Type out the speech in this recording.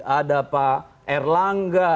ada pak erlangga